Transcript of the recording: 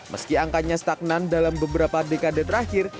meski angkanya stagnan dalam beberapa dekade terakhir